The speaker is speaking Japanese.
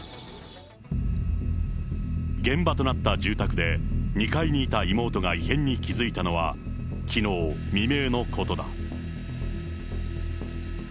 現場となった住宅で、２階にいた妹が異変に気付いたのは、きのう未明のことだ。